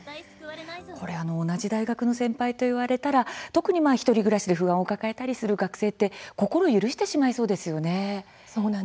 同じ大学の先輩と言われたら特に１人暮らしで不安を抱えたりする学生って心を許してしまいそうですよね。＃